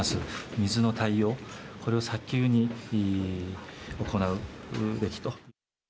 水の対応、これを早急に行うべきと。